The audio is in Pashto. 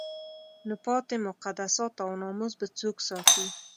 نو پاتې مقدسات او ناموس به څوک ساتي؟